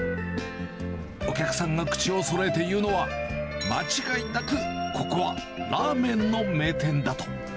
お客さんが口をそろえて言うのは、間違いなくここはラーメンの名店だと。